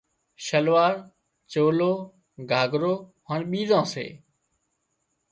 شلوار، چولو، گھاگھرو، هانَ ٻيزان سي